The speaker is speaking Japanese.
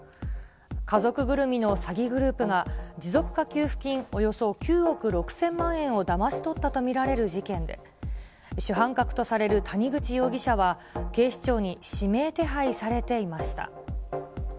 家族ぐるみの詐欺グループが、持続化給付金およそ９億６０００万円をだまし取ったと見られる事件で、主犯格とされる谷口容疑者は、警視庁に指名手配されていました。